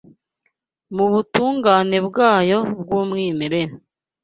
Mu butungane bwabyo bw’umwimerere